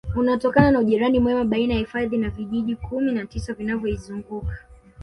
Unatokana na ujirani mwema baina ya hifadhi na vijiji kumi na tisa vinavyoizunguka